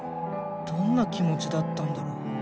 どんな気持ちだったんだろう。